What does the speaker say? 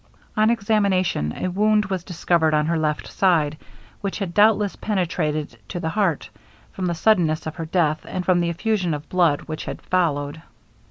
On examination a wound was discovered on her left side, which had doubtless penetrated to the heart, from the suddenness of her death, and from the effusion of blood which had followed.